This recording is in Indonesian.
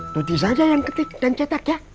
tulis aja yang ketik dan cetak ya